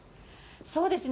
そうですね。